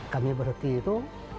kami berhenti itu